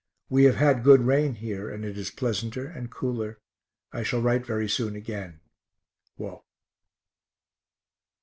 We have had a good rain here and it is pleasanter and cooler. I shall write very soon again. WALT.